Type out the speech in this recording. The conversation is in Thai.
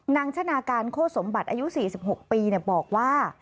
ชนะการโฆษมบัติอายุ๔๖ปีบอกว่า